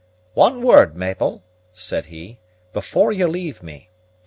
"One word, Mabel," said he, "before you leave me.